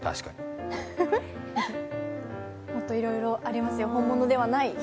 もっといろいろありますよ、本物ではない。